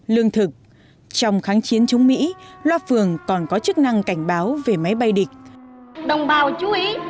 lương thực trong kháng chiến chống mỹ loa phường còn có chức năng cảnh báo về máy bay địch